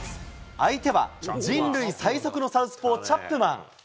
相手は人類最速のサウスポー、チャップマン。